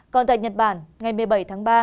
còn tại nhật bản ngày một mươi bảy tháng ba